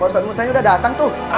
pak ustadz musa sudah datang tuh